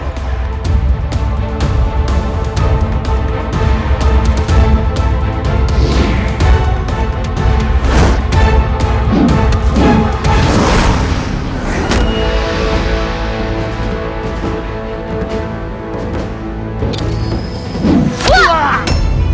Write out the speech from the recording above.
aku tidak boleh berlama lama dengan dia